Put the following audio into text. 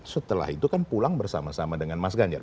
setelah itu kan pulang bersama sama dengan mas ganjar